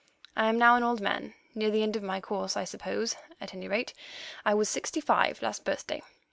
I am now an old man, near the end of my course, I suppose; at any rate, I was sixty five last birthday.